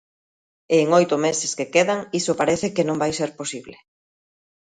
E en oito meses que quedan iso parece que non vai ser posible.